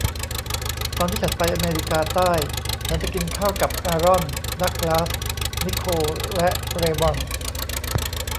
ตอนที่ฉันไปอเมริกาใต้ฉันไปกินข้าวกับอารอน ดักลาส นิโคล และเรย์มอนด์